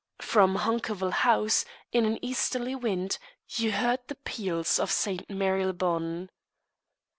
From Hunkerville House, in an easterly wind, you heard the peals of St. Marylebone.